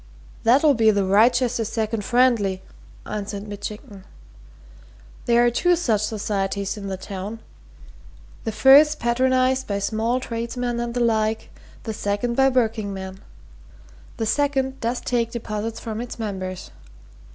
"That'll be the Wrychester Second Friendly," answered Mitchington. "There are two such societies in the town the first's patronized by small tradesmen and the like; the second by workingmen. The second does take deposits from its members.